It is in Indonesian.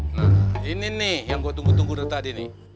nah ini nih yang gue tunggu tunggu dari tadi nih